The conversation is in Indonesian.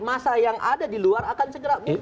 masa yang ada di luar akan segera berubah